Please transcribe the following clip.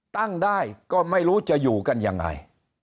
ตั้งได้ก็ไม่รู้จะอยู่กันยังไง